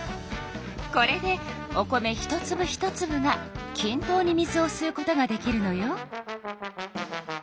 これでお米一つぶ一つぶがきん等に水をすうことができるのよ。